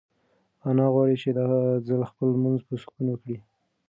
انا غواړي چې دا ځل خپل لمونځ په سکون وکړي.